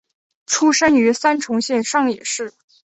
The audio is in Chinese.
出生于三重县上野市。